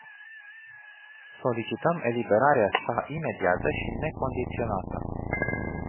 Solicităm eliberarea sa imediată și necondiționată.